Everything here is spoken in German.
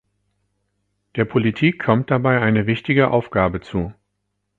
Der Politik kommt dabei eine wichtige Aufgabe zu.